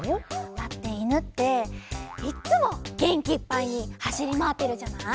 だっていぬっていっつもげんきいっぱいにはしりまわってるじゃない？